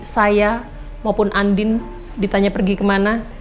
saya maupun andin ditanya pergi kemana